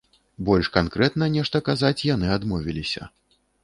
Больш канкрэтна нешта казаць яны адмовіліся.